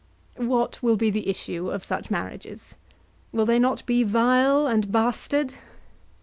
What will be the issue of such marriages? Will they not be vile and bastard?